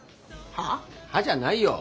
「はあ？」じゃないよ。